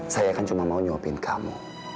saya kan cuma mau nyuapin kamu